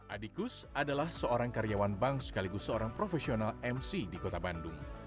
adikus adalah seorang karyawan bank sekaligus seorang profesional mc di kota bandung